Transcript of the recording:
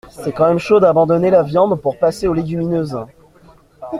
C'est quand même chaud d'abandonner la viande pour passer aux légumineuses.